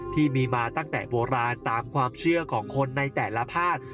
ที่มีมาตั้งแต่โบราณตามความเชื่อของคนในแต่ละภาค